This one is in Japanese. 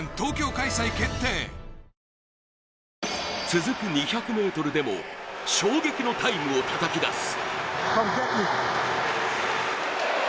続く２００ｍでも衝撃のタイムをたたき出す。